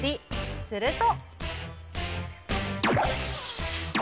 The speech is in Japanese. すると。